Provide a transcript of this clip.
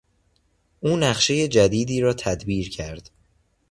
او نقشهی جدیدی را تدبیر کرد.